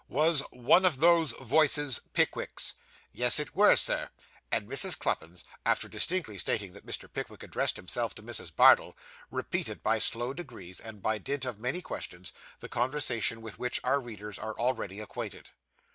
Was one of those voices Pickwick's?' 'Yes, it were, Sir.' And Mrs. Cluppins, after distinctly stating that Mr. Pickwick addressed himself to Mrs. Bardell, repeated by slow degrees, and by dint of many questions, the conversation with which our readers are already acquainted.